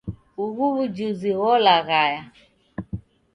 Ugho w'ujuzi gholaghaya.